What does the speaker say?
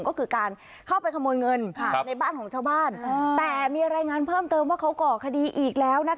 ก็คือการเข้าไปขโมยเงินในบ้านของชาวบ้านแต่มีรายงานเพิ่มเติมว่าเขาก่อคดีอีกแล้วนะคะ